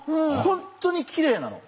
本当にきれいなの。